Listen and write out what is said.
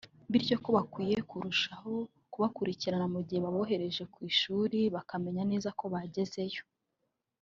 bityo ko bakwiye kurushaho kubakurikirana mu gihe babohereje ku ishuri bakamenya neza ko bagezeyo